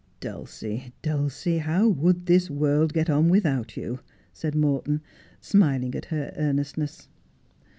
' Dulcie, Dulcie, how would this world get on without you 1 ' said Morton, smiling at her earnestness.